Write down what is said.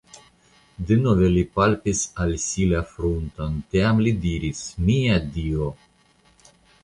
Denove li palpis al si la frunton, tiam li diris:-- Mia Dio!